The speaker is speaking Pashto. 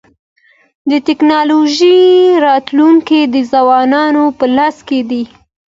د ټکنالوژۍ راتلونکی د ځوانانو په لاس کي دی.